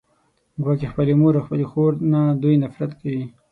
ګواکې خپلې مور او خپلې خور نه دوی نفرت کوي